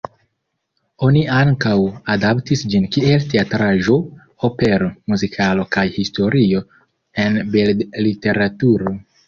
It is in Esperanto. Oni ankaŭ adaptis ĝin kiel teatraĵo, opero, muzikalo kaj historio en bildliteraturo.